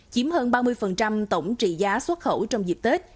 chiếm hơn ba mươi tổng trị giá xuất khẩu hàng hóa